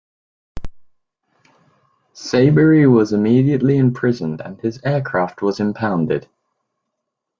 Saibory was immediately imprisoned and his aircraft was impounded.